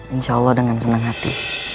insya allah dengan senang hati